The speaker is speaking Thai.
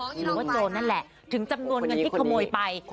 หรือว่าโจรนั่นแหละถึงจำนวนเงินที่ขโมยไป